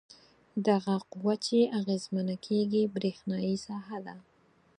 دغه قوه چې اغیزمنه کیږي برېښنايي ساحه ده.